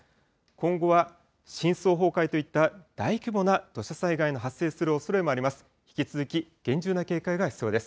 今後は深層崩壊といった大規模な土砂災害の発生するおそれもあります。